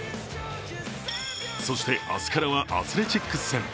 そして明日からアスレチックス戦。